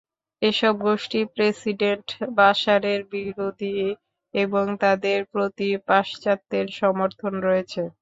এসব গোষ্ঠী প্রেসিডেন্ট বাশারের বিরোধী এবং তাদের প্রতি পাশ্চাত্যের সমর্থন রয়েছে।